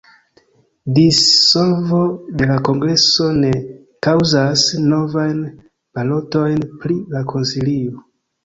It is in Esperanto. Dissolvo de la Kongreso ne kaŭzas novajn balotojn pri la Konsilio.